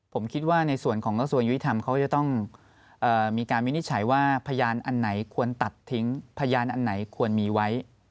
ผมคิดว่าในส่วนของกระทรวงยุติธรรมเขาจะต้องมีการวินิจฉัยว่าพยานอันไหนควรตัดทิ้งพยานอันไหนควรมีไว้